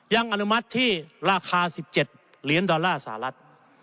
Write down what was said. อนุมัติที่ราคา๑๗เหรียญดอลลาร์สหรัฐ